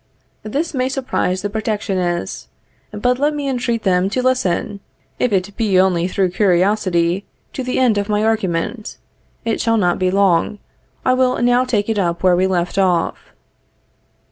This may surprise the protectionists; but let me entreat them to listen, if it be only through curiosity, to the end of my argument. It shall not be long. I will now take it up where we left off.